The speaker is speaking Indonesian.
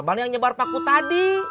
barang yang nyebar paku tadi